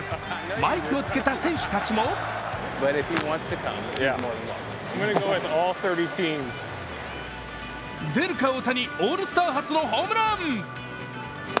マイクをつけた選手たちも出るか大谷、オールスター初のホームラン。